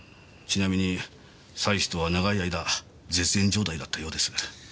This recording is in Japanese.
ちなみに妻子とは長い間絶縁状態だったようです。